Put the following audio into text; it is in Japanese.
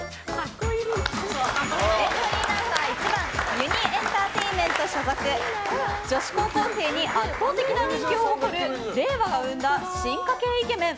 エントリーナンバー１番ユニ・エンタテインメント所属女子高校生に圧倒的な人気を誇る令和が生んだ進化系イケメン。